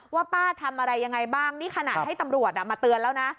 ว่าป้าทำอะไรยังไงบ้างนี่ขนาดให้ตำรวจมาเตือนแล้วนะ